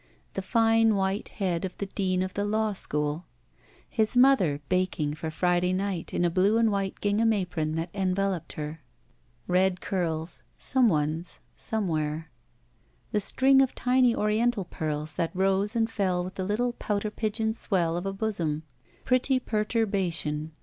The fine white head of the dean of the law school. His mother baking for Friday night in a blue and white gingham apron that enveloped her. Red curls — some one's — somewhere. The string of tiny Oriental pearls that rose and fell with the little pouter pigeon swell of a bosom. Pretty perturba tion.